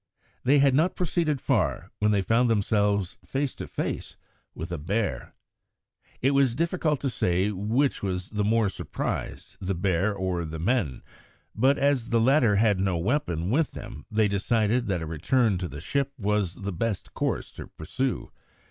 They had not proceeded far when they found themselves face to face with a bear. It was difficult to say which was the more surprised, the bear or the men; but as the latter had no weapon with them they decided that a return to the ship was the best course to pursue.